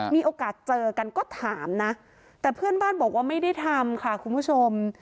มีโอกาสเจอกันก็ถามนะแต่เพื่อนบ้านบอกว่าไม่ได้ทำค่ะคุณผู้ชม